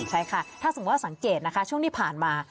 ใช่ค่ะถ้าสมมุติว่าสังเกตนะคะช่วงที่ผ่านมา